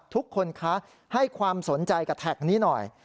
ทุกคนคะให้ความสนใจกับแท็กนี้หน่อย